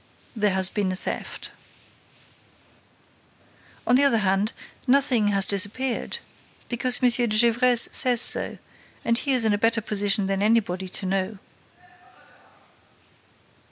"There has been a theft." "On the other hand, nothing has disappeared, because M. de Gesvres says so and he is in a better position than anybody to know."